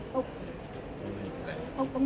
ก็คิดตัวเองนะ